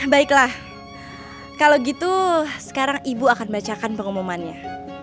baiklah kalau gitu sekarang ibu akan bacakan pengumumannya